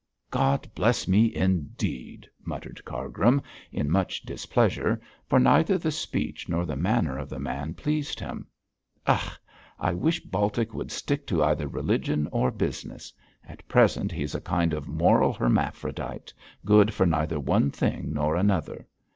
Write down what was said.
'God bless me indeed!' muttered Cargrim, in much displeasure, for neither the speech nor the manner of the man pleased him. 'Ugh! I wish Baltic would stick to either religion or business. At present he is a kind of moral hermaphrodite, good for neither one thing nor another.